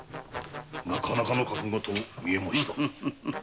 なかなかの覚悟と見え申した。